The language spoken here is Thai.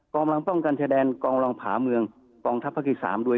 กองรังป้องกันชายแดนกองรังผาเมืองกองทัพภาคีสามด้วย